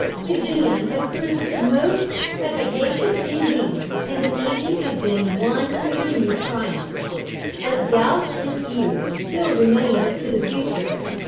The jam had proved most efficacious indeed, and the evening had been one continued triumph. But doubts and fears still remained as to the future.